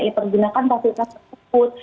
ya pergunakan fasilitas tersebut